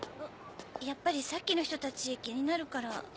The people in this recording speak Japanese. やっぱりさっきの人たち気になるから。